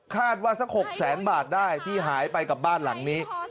สัก๖แสนบาทได้ที่หายไปกับบ้านหลังนี้